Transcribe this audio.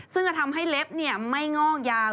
ซึ่งจะทำให้เล็บไม่งอกยาว